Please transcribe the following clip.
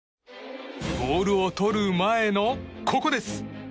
ボールを取る前の、ここです！